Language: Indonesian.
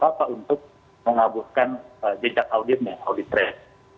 kita membayar kredit itu apa untuk mengabuhkan jejak auditnya audit trade